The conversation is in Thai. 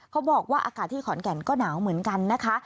เขาบอกว่าอากาศที่ขอนแก่นก็หนาวเหมือนกันนะคะ